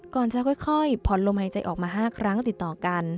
ก่อนจะค่อยผ่อนลมหายใจออกมา๕ครั้งติดต่อกัน